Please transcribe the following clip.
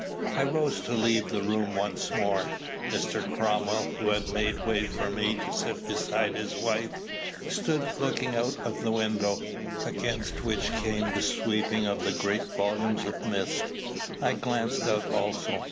I rose to leave the room once more. Mr. Cromwell, who had made way for me to sit beside his wife, stood looking out of the window, against which came sweeping the great volumes of mist. I glanced out also.